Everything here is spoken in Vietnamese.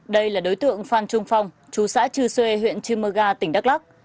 đây là đối tượng phan trung phong chú xã chư sê huyện chư mơ ga tỉnh đắk lắc